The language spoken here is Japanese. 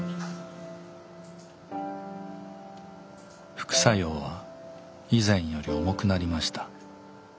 副作用は以前より重くなりました。